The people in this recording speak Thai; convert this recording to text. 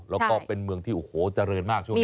แล้วก็เป็นเมืองที่จริงมากช่วงนี้